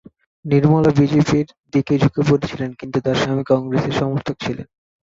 নির্মলা বিজেপির দিকে ঝুঁকে পড়েছিলেন, কিন্তু তার স্বামী কংগ্রেসের সমর্থক ছিলেন।